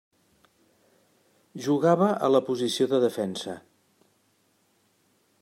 Jugava a la posició de defensa.